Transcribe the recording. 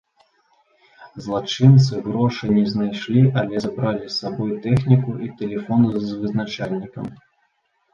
Злачынцы грошай не знайшлі, але забралі з сабой тэхніку і тэлефон з вызначальнікам.